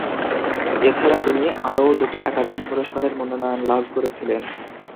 এছাড়া তিনি আরও দুটি একাডেমি পুরস্কারের মনোনয়ন লাভ করেছিলেন।